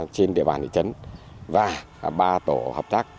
trên địa bàn thị trấn và ba tổ hợp tác